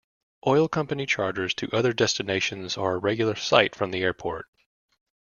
Oil company charters to other destinations are a regular sight from the airport.